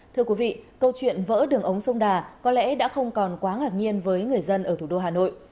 thưa quý vị câu chuyện vỡ đường ống sông đà có lẽ đã không còn quá ngạc nhiên với người dân ở thủ đô hà nội